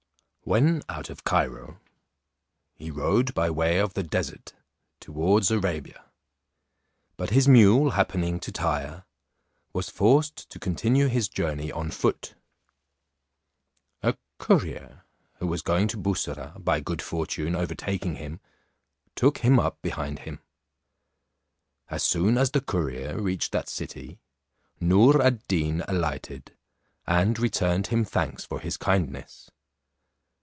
When out of Cairo, he rode by way of the desert towards Arabia; but his mule happening to tire, was forced to continue his journey on foot. A courier who was going to Bussorah, by good fortune overtaking him, took him up behind him. As soon as the courier reached that city, Noor ad Deen alighted, and returned him thanks for his kindness.